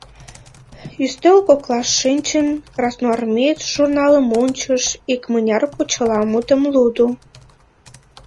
Ӱстел коклаш шинчын, «Красноармеец» журналым ончыш, икмыняр почеламутым лудо.